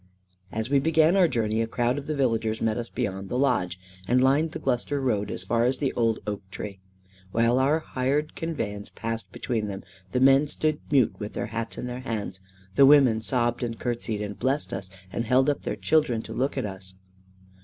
As we began our journey, a crowd of the villagers met us beyond the lodge, and lined the Gloucester road as far as the old oak tree. While our hired conveyance passed between them, the men stood mute with their hats in their hands, the women sobbed and curtseyed, and blessed us, and held up their children to look at us.